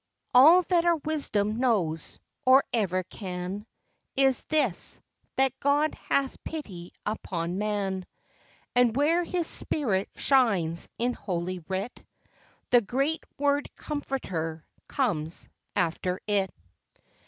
All that our wisdom knows, or ever can, Is this ; that God hath pity upon man; And where His Spirit shines in Holy Writ, The great word Comforter comes after it.